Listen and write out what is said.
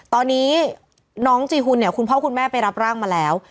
ตอนนี้น้องจีหุ่นเนี่ยคุณพ่อคุณแม่ไปรับร่างมาแล้ว